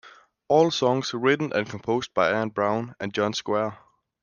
All songs written and composed by Ian Brown and John Squire.